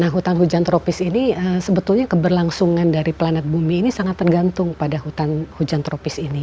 nah hutan hujan tropis ini sebetulnya keberlangsungan dari planet bumi ini sangat tergantung pada hujan tropis ini